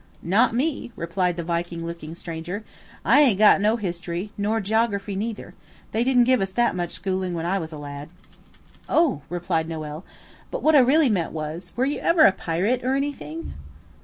"Not me," replied the Viking looking stranger. "I ain't got no history, nor joggraphy neither. They didn't give us that much schooling when I was a lad." "Oh!" replied Noël; "but what I really meant was, were you ever a pirate or anything?"